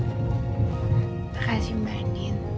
terima kasih mbak nin